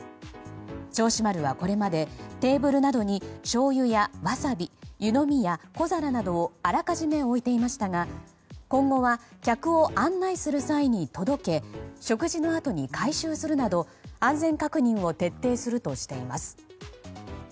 銚子丸はこれまでテーブルなどにしょうゆやワサビ湯飲みや小皿などをあらかじめ置いていましたが今後は客を案内する際に届け食事のあとに回収するなど安全確認を徹底するとしています。